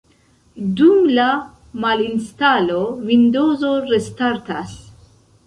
Dum la malinstalo Vindozo restartas.